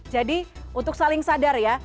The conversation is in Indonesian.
jadi untuk saling sadar ya